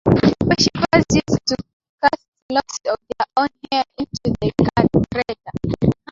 Worshippers used to cast locks of their own hair into the crater.